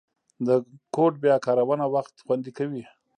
د کوډ بیا کارونه وخت خوندي کوي.